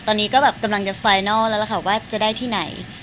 ตอนนี้ก็แบบกำลังจะไฟนัลแล้วล่ะค่ะว่าจะได้ที่ไหน